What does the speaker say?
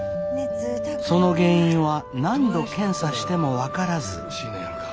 その原因は何度検査しても分からず。